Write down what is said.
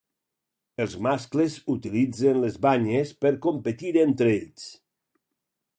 Els mascles utilitzen les banyes per competir entre ells.